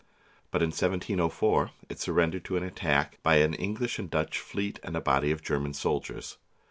But in 1704 it sur rendered to an attack by an English and Dutch fleet and a body of German soldiers.